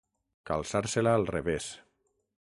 Calçar-se-la al revés.